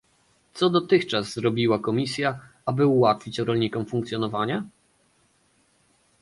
co dotychczas zrobiła Komisja, aby ułatwić rolnikom funkcjonowanie?